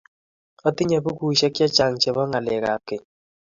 Otinye bukuisiek chechang chebo ngalekap keny